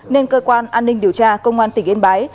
nên cơ quan an ninh điều tra công an tỉnh yên bái